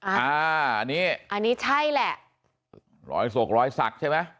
อันนี้อันนี้ใช่แหละรอยศกรอยศักดิ์ใช่ไหม